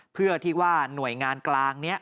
เพื่อที่ว่าหน่วยงานกลางนี้